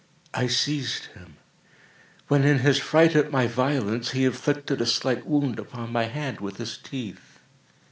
I seized him; when, in his fright at my violence, he inflicted a slight wound upon my hand with his teeth.